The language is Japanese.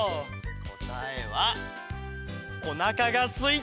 こたえはおなかがすいたひと！